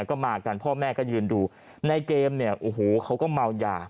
ก็มากันพ่อแม่ก็ยืนดูในเกมเนี่ยโอ้โหเขาก็เมายา